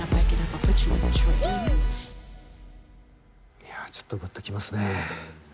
いやちょっとぐっときますね。